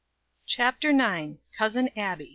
CHAPTER IX. COUSIN ABBIE.